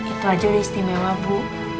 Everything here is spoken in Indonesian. itu aja udah istimewa bu